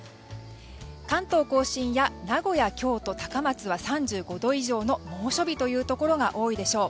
関東・甲信や名古屋、京都、高松は３５度以上の猛暑日というところが多いでしょう。